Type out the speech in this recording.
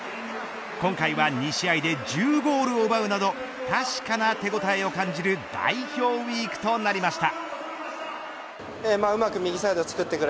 今回は２試合で１０ゴールを奪うなど確かな手応えを感じる代表ウイークとなりました。